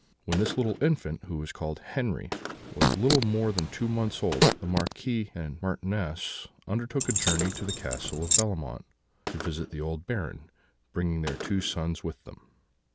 "When this little infant, who was called Henri, was little more than two months old, the Marquis and Marchioness undertook a journey to the Castle of Bellemont, to visit the old Baron, bringing their two sons with them.